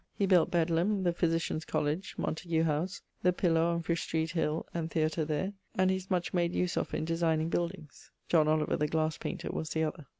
He built Bedlam, the Physitians' College, Montague house, the Piller on Fish street hill, and Theatre there; and he is much made use of in designing buildings. [CXXXII.] Oliver, the glasse painter, was the other.